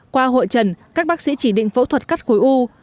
qua hội trần các bác sĩ chỉ định phẫu thuật cắt khối u